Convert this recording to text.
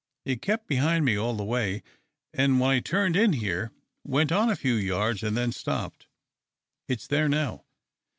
It kept behind me all the way, and when I turned in here, went on a few yards and then stopped. It's there now."